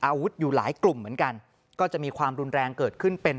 อยู่หลายกลุ่มเหมือนกันก็จะมีความรุนแรงเกิดขึ้นเป็น